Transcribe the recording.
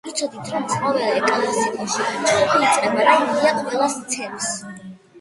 იცოდით რომ ყოველ ელკლასიკოში ჩხუბი იწყება და ილია ყველას ცემს